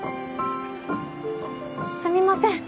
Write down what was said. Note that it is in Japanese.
すみません